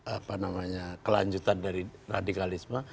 apa namanya kelanjutan dari radikalisme